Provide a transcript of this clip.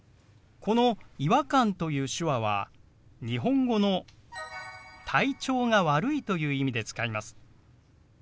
この「違和感」という手話は日本語の「体調が悪い」という意味で使います。